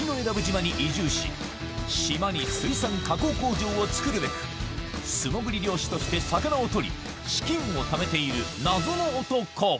島に水産加工工場を作るべく素潜り漁師として魚をとり資金を貯めている謎の男